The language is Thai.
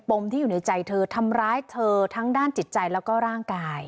มที่อยู่ในใจเธอทำร้ายเธอทั้งด้านจิตใจแล้วก็ร่างกาย